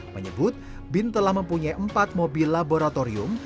menyebut bin telah mempunyai empat mobil laboratorium